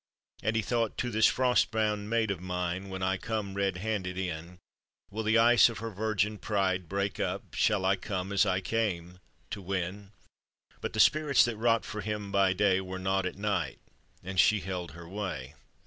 And he thought: "To this frost bound maid of mine, When 1 come red handed in, Will the ice of her virgin pride break up, Shall I come as I came, to win?" But the spirits that wrought for him by day, Were nought at night; and she held her way.